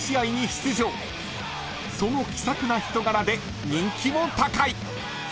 ［その気さくな人柄で人気も高い］